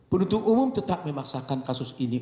penuntut umum tetap memaksakan kasus ini